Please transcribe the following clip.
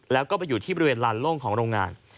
แล้วก็ไปอยู่ที่บริเวณลานโล่งของโรงงาน